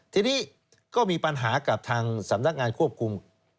ทีนี้ก็มีปัญหากับทางสำนักงานควบคุม